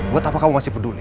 buat apa kamu masih peduli